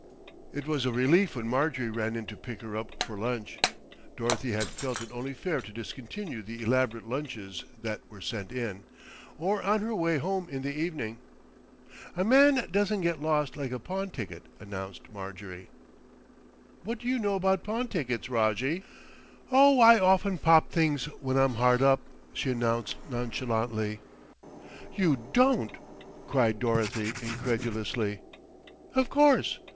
It was a relief when Marjorie ran in to pick her up for lunch Dorothy had felt it only fair to discontinue the elaborate lunches that were sent in or on her way home in the evening. "A man doesn't get lost like a pawn ticket," announced Marjorie. "What do you know about pawn tickets, Rojjie?" "Oh, I often pop things when I'm hard up," she announced nonchalantly. "You don't!" cried Dorothy incredulously. "Of course.